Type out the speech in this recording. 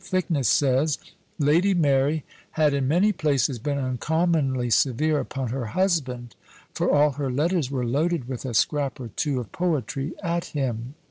Thicknesse says, "Lady Mary had in many places been uncommonly severe upon her husband, for all her letters were loaded with a scrap or two of poetry at him."